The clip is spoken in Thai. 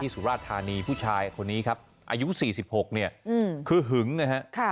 สุราชธานีผู้ชายคนนี้ครับอายุ๔๖เนี่ยคือหึงนะฮะ